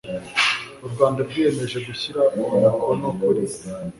U Rwanda rwiyemeje gushyira umukono kuri